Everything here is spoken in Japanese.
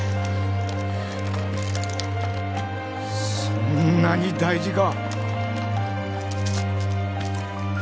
そんなに大事か。